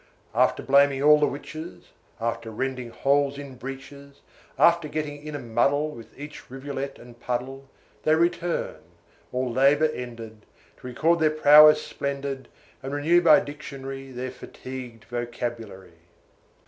After blaming all the witches, After rending holes in breeches, After getting in a muddle With each rivulet and puddle, They return, a ll labour ended, To record their prowess splendid, And renew by dictionary Their fatigued vocabulary.